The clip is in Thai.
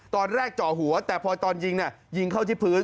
ตอนแรกเจาะหัวแต่พอตอนยิงยิงเข้าที่พื้น